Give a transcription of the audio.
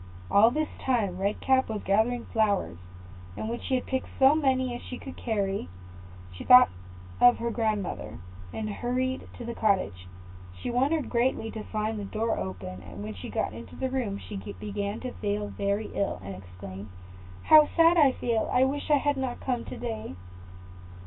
All this time Red Cap was gathering flowers; and when she had picked as many as she could carry, she thought of her grandmother, and hurried to the cottage. She wondered greatly to find the door open; and when she got into the room, she began to feel very ill, and exclaimed, "How sad I feel! I wish I had not come to day."